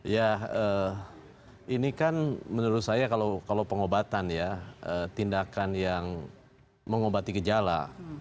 ya ini kan menurut saya kalau pengobatan ya tindakan yang mengobati gejala